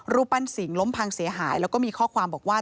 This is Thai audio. รูปปั้นสิงห์ล้มพังเสียหายแล้วก็มีข้อความบอกว่า